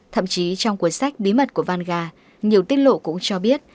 thậm chí trong cuốn sách bí mật của vanga nhiều tiết lộ cũng cho biết